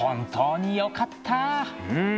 うん。